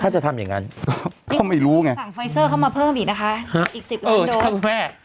ถ้าจะทำอย่างนั้นก็ไม่รู้ไงสั่งไฟเซอร์เข้ามาเพิ่มอีกนะคะอีกสิบล้านโดสแม่